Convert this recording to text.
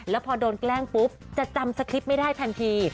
แล้วพอโดนแกล้งปุ๊บจะจำสคริปต์ไม่ได้ทันที